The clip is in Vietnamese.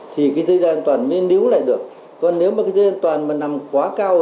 thì cái dây đen an toàn mới níu lại được còn nếu mà cái dây đen an toàn mà nằm quá cao